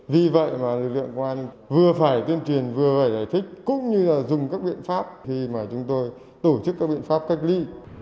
vì vậy mà lực lượng công an vừa phải tuyên truyền vừa phải giải thích cũng như là dùng các biện pháp khi mà chúng tôi tổ chức các biện pháp cách ly